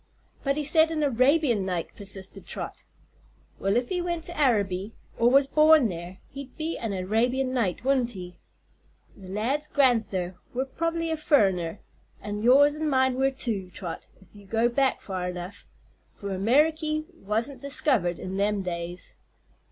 "But he said an Arabian Knight," persisted Trot. "Well, if he went to Araby, or was born there, he'd be an Arabian Knight, wouldn't he? The lad's gran'ther were prob'ly a furriner, an' yours an' mine were, too, Trot, if you go back far enough; for Ameriky wasn't diskivered in them days."